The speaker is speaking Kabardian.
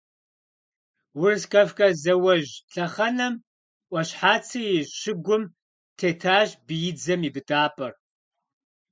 Урыс-Кавказ зауэжь лъэхъэнэм Ӏуащхьацэ и щыгум тетащ биидзэм и быдапӀэр.